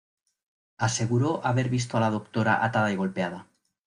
Aseguró haber visto a la doctora atada y golpeada.